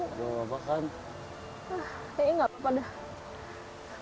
kayaknya nggak apa apa deh